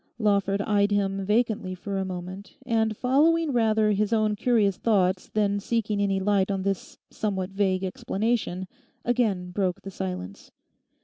Lawford eyed him vacantly for a moment, and, following rather his own curious thoughts than seeking any light on this somewhat vague explanation, again broke the silence.